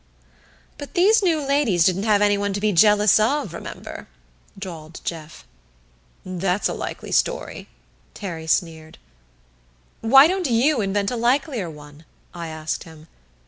"But these New Ladies didn't have anyone to be jealous of, remember," drawled Jeff. "That's a likely story," Terry sneered. "Why don't you invent a likelier one?" I asked him.